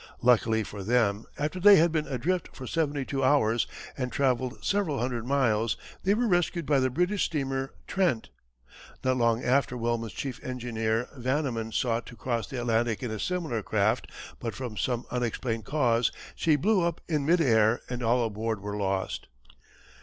Luckily for them after they had been adrift for seventy two hours, and travelled several hundred miles they were rescued by the British steamer Trent. Not long after Wellman's chief engineer Vanniman sought to cross the Atlantic in a similar craft but from some unexplained cause she blew up in mid air and all aboard were lost.